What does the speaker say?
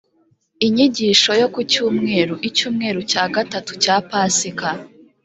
inyigisho yo ku cyumweru, icyumweru cya gatatucya pasika